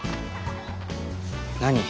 何？